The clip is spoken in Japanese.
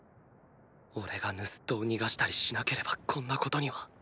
俺が盗人を逃がしたりしなければこんなことには。